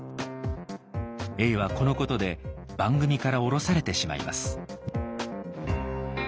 永はこのことで番組から降ろされてしまいます。